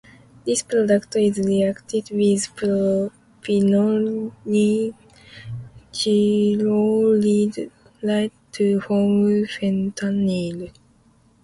This product is reacted with propionyl chloride to form fentanyl.